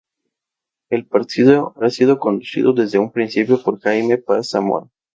El partido ha sido conducido desde un principio por Jaime Paz Zamora.